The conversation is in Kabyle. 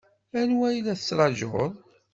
Anwa i la tettṛaǧuḍ?